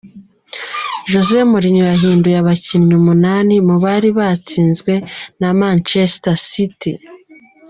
Jose Mourinho yahinduye abakinyi umunani mubari batsinzwe na Manchester City.